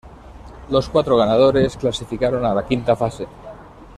Los cuatro ganadores clasificaron a la Quinta fase.